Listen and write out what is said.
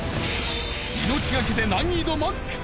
命がけで難易度ＭＡＸ。